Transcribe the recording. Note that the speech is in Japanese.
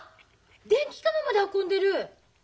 電気釜まで運んでる！